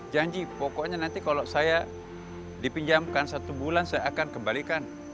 janji pokoknya nanti kalau saya dipinjamkan satu bulan saya akan kembalikan